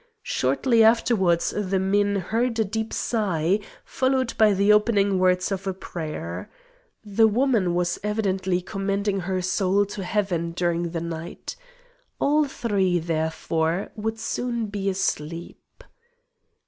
Shortly afterwards the men heard a deep sigh, followed by the opening words of a prayer. The woman was evidently commending her soul to Heaven during the night. All three, therefore, would soon be asleep.